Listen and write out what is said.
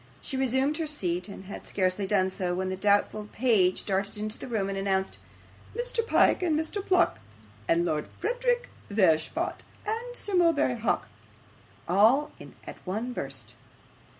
She resumed her seat, and had scarcely done so, when the doubtful page darted into the room and announced, Mr. Pyke, and Mr. Pluck, and Lord Verisopht, and Sir Mulberry Hawk, all at one burst.